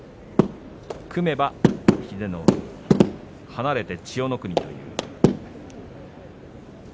組めば英乃海、離れて千代の国。